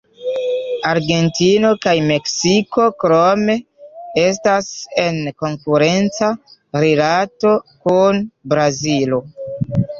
Argentino kaj Meksiko krome estas en konkurenca rilato kun Brazilo.